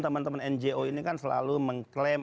teman teman ngo ini kan selalu mengklaim